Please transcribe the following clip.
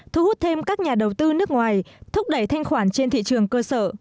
thu hút thêm các nhà đầu tư nước ngoài thúc đẩy thanh khoản trên thị trường cơ sở